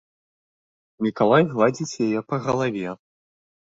Мікалай гладзіць яе па галаве.